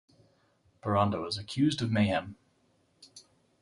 Boronda was accused of mayhem.